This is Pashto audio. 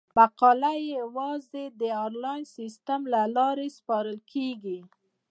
مقالې یوازې د انلاین سیستم له لارې سپارل کیږي.